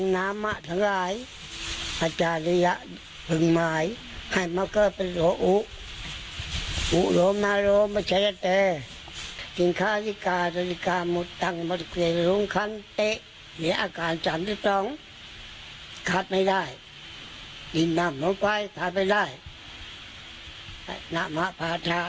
น่ะหมาภาษาในแรงอย่างออกส่าห์ทุกที่กลับได้ปะล่ะ